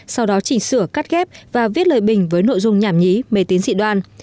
sau đó chỉnh sửa cắt ghép và viết lời bình với nội dung nhảm nhí mê tín dị đoan